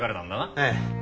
ええ。